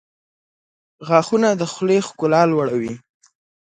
• غاښونه د خولې ښکلا لوړوي.